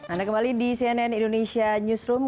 anda kembali di cnn indonesia newsroom